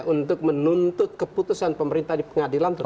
untuk menuntut keputusan pemerintah di pengadilan